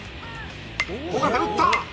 ［尾形打った！］